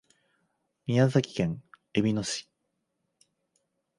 宮崎県えびの市